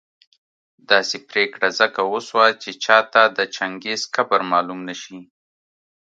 داسي پرېکړه ځکه وسوه چي چاته د چنګېز قبر معلوم نه شي